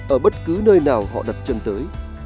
ở bất cứ nơi nào họ đặt chân tới